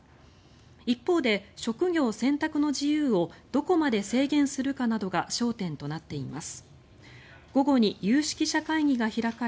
一方で、職業選択の自由をどこまで制限するかなどが焦点となっています。